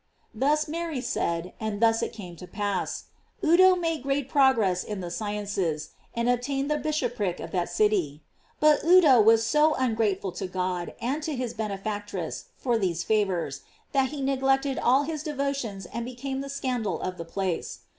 Thus Mary said, and thus it came to pass. Udo made great progress in the sciences, and obtained the bishopric of that city. But Udo was so ungrateful to God and to his benefactress for these favors, that he neglect ed all his devotions arid became the scandal of the place.